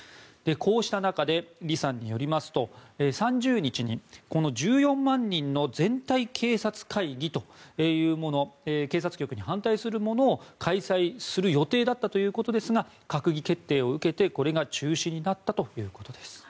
こうした中で李さんによりますと３０日に、１４万人の全体警察会議というもの警察局に反対するものを開催する予定だったということですが閣議決定を受けて、これが中止になったということです。